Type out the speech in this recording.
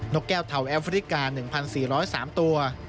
กแก้วเทาแอฟริกา๑๔๐๓ตัว